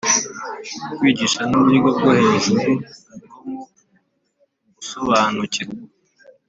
kwigisha nuburyo bwo hejuru bwo mu gusobanukirwa